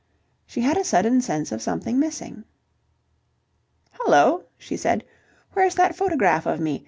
She had a sudden sense of something missing. "Hullo!" she said. "Where's that photograph of me?